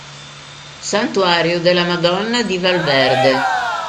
Santuario della Madonna di Valverde